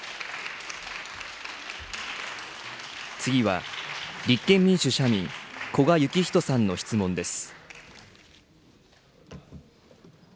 次は、立憲民主・社民、古賀之士さんの質問です。